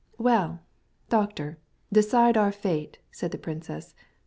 "Well, doctor, decide our fate," said the princess.